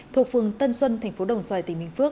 thuộc phường tân xuân tp hcm